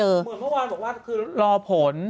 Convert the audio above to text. เหมือนเมื่อวานบอกว่าคือรอผล